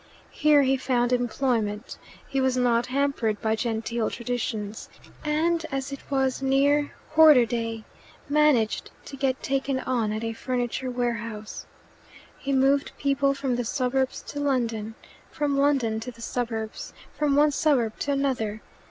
Here he found employment. He was not hampered by genteel traditions, and, as it was near quarter day, managed to get taken on at a furniture warehouse. He moved people from the suburbs to London, from London to the suburbs, from one suburb to another.